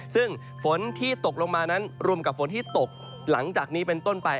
ซึ่งฝนที่ตกลงมานั้นรวมกับฝนที่ตกหลังจากนี้เป็นต้นไป